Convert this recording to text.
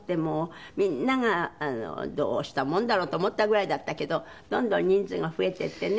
みんながどうしたものだろう？と思ったぐらいだったけどどんどん人数が増えていってね。